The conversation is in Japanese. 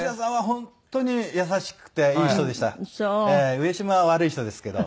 上島は悪い人ですけど。